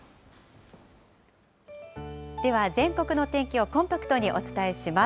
では全国の天気をコンパクトにお伝えします。